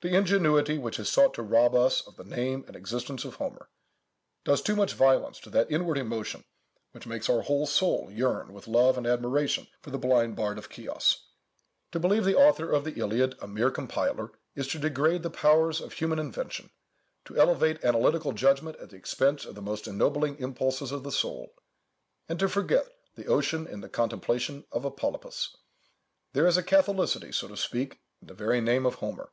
The ingenuity which has sought to rob us of the name and existence of Homer, does too much violence to that inward emotion, which makes our whole soul yearn with love and admiration for the blind bard of Chios. To believe the author of the Iliad a mere compiler, is to degrade the powers of human invention; to elevate analytical judgment at the expense of the most ennobling impulses of the soul; and to forget the ocean in the contemplation of a polypus. There is a catholicity, so to speak, in the very name of Homer.